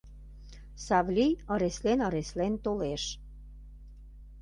Савлий ыреслен-ыреслен толеш.